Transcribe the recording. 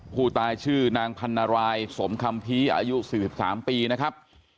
ผู้ตายชื่อนางพันรายสมคัมภีร์อายุ๔๓ปีนะครับ